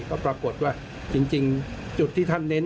ก็ปรากฏว่าจริงจุดที่ท่านเน้น